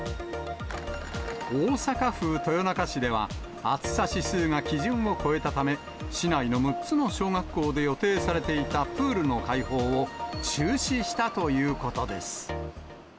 大阪府豊中市では、暑さ指数が基準を超えたため、市内の６つの小学校で予定されていたプールの開放を中止したということです。